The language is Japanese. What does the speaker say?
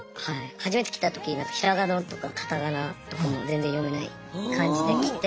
初めて来た時ひらがなとかカタカナとかも全然読めない感じで来て。